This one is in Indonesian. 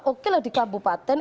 oke lah di kabupaten